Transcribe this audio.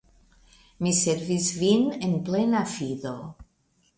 Mi servis vin en plena fido.